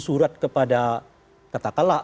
surat kepada katakanlah